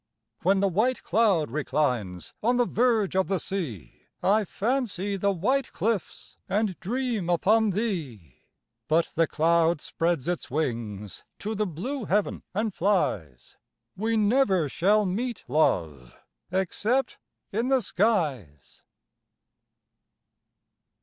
When the white cloud reclines On the verge of the sea, I fancy the white cliffs, And dream upon thee; But the cloud spreads its wings To the blue heav'n and flies. We never shall meet, love, Except in the skies!